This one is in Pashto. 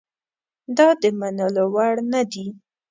دا د منلو وړ نه دي.